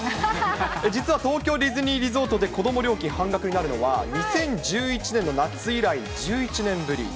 実は東京ディズニーリゾートで子ども料金半額になるのは、２０１１年の夏以来１１年ぶり。